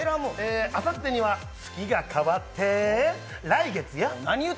あさってには月が変わって来月よっ！